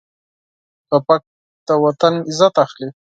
توپک له وطن عزت اخلي.